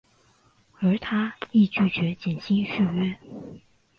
而他亦拒绝减薪续约。